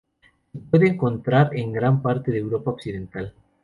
Se puede encontrar en gran parte de Europa occidental.